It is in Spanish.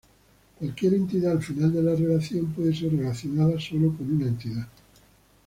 Cualquier entidad al final de la relación puede ser relacionada sólo con una entidad.